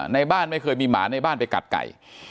ในบ้านไม่เคยมีหมาในบ้านไปกัดไก่